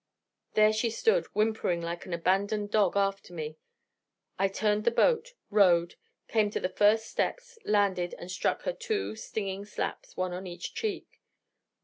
There she stood, whimpering like an abandoned dog after me. I turned the boat, rowed, came to the first steps, landed, and struck her two stinging slaps, one on each cheek.